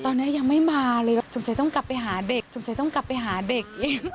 ตอนนี้ยังไม่มาเลยแบบสงสัยต้องกลับไปหาเด็กสงสัยต้องกลับไปหาเด็กเอง